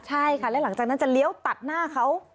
ใช่ค่ะแล้วหลังจากนั้นจะเลี้ยวตัดหน้าเขา